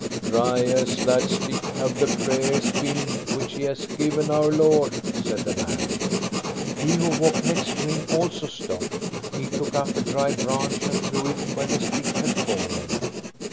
" Dry as that stick have the prayers been which he has given our Lord," said the man. He who walked next to him also stopped. He took up a dry branch and threw it where the stick had fallen.